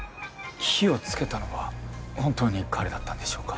火をつけたのは本当に彼だったんでしょうか？